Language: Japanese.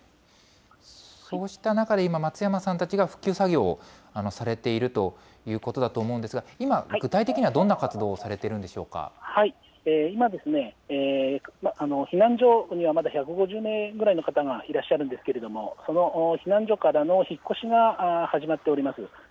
そうした中で、今、松山さんたちが復旧作業をされているということだと思うんですが、今、具体的にはどんな活動をされている今、避難所にはまだ１５０名ぐらいの方がいらっしゃるんですけれども、その避難所からの引っ越しが始まっております。